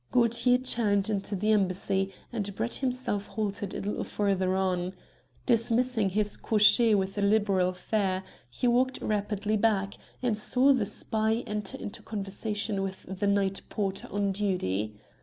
Gaultier turned into the Embassy, and Brett himself halted a little further on. Dismissing his cocher with a liberal fare, he walked rapidly back, and saw the spy enter into conversation with the night porter on duty.